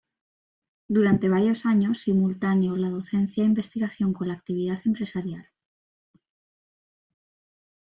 Durante varios años simultaneó la docencia e investigación con la actividad empresarial.